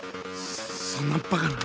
そんなバカな